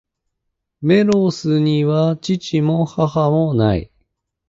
メロスには父も、母も無い。